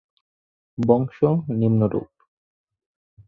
বংশ নিম্নরূপ,